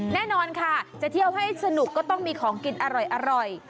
แน่นอนค่ะจะเที่ยวให้สนุกก็ต้องมีของกินอร่อย